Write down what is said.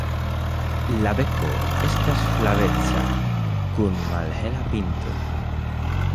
La beko estas flaveca kun malhela pinto.